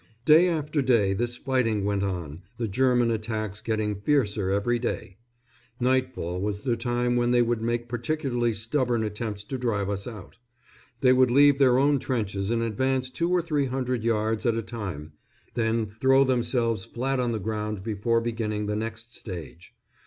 Day after day this fighting went on, the German attacks getting fiercer every day. Nightfall was the time when they would make particularly stubborn attempts to drive us out. They would leave their own trenches and advance two or three hundred yards at a time, then throw themselves flat on the ground before beginning the next stage.